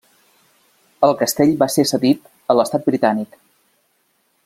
El castell vell va ser cedit a l'estat britànic.